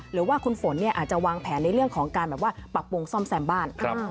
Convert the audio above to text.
หรือว่าคุณฝนเนี่ยอาจจะวางแผนในเรื่องของการแบบว่าปรับปรุงซ่อมแซมบ้าน